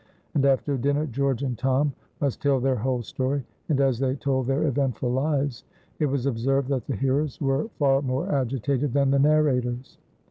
And after dinner George and Tom must tell their whole story; and, as they told their eventful lives, it was observed that the hearers were far more agitated than the narrators.